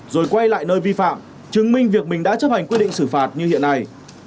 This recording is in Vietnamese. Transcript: rồi quay lại nơi vi phạm chứng minh việc mình đã chấp hành quyết định xử phạt như hiện nay